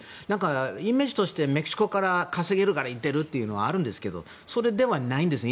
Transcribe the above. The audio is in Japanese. イメージとしてメキシコから稼げるから行っているというのがあるんですけどそれではないんですね